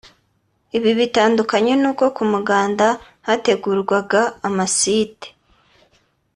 Ibi bitandukanye n’uko ku muganda hategurwaga amasite